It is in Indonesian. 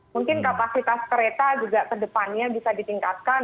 mungkin kapasitas kereta juga kedepannya bisa ditingkatkan